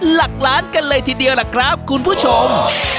หลักล้านกันเลยทีเดียวล่ะครับคุณผู้ชม